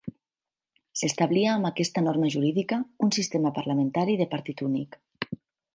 S'establia amb aquesta norma jurídica un sistema parlamentari de partit únic.